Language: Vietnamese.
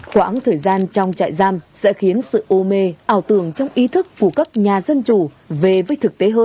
khoảng thời gian trong trại giam sẽ khiến sự o mê ảo tưởng trong ý thức phủ cấp nhà dân chủ về với thực tế hơn